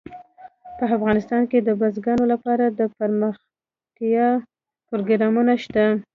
په افغانستان کې د بزګانو لپاره دپرمختیا پروګرامونه شته.